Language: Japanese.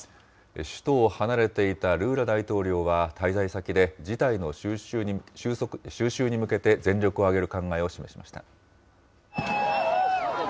首都を離れていたルーラ大統領は滞在先で、事態の収拾に向けて全力を挙げる考えを示しました。